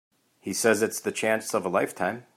He says it's the chance of a lifetime.